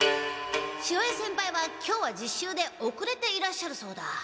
潮江先輩は今日は実習でおくれていらっしゃるそうだ。